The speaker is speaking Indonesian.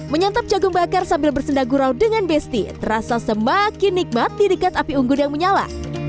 menyantap jagung bakar sambil bersendagurau dengan besti terasa semakin nikmat di dekat api unggul yang menyala